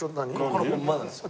これホンマなんですよ。